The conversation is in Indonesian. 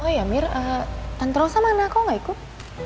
oh iya mir tante rosa mana kau gak ikut